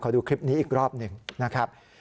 ขอดูคลิปนี้อีกรอบได้ไหมครับ